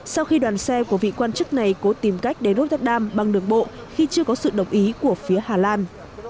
sau khi đoàn xe của vị quan chức này cố tìm cách đến rotterdam bằng đường bộ khi chưa có sự đồng ý của phía hà lan